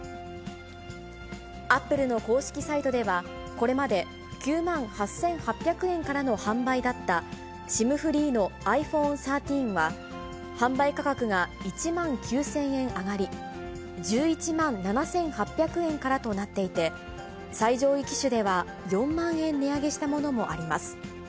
アップルの公式サイトでは、これまで９万８８００円からの販売だった、ＳＩＭフリーのｉＰｈｏｎｅ１３は、販売価格が１万９０００円上がり、１１万７８００円からとなっていて、最上位機種では４万円値上げしたものもあります。